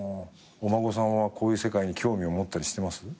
お孫さんはこういう世界に興味を持ったりしてます？